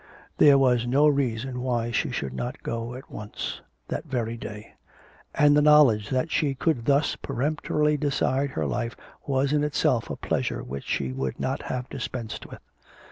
There was no reason why she should not go at once, that very day. And the knowledge that she could thus peremptorily decide her life was in itself a pleasure which she would not have dispensed with.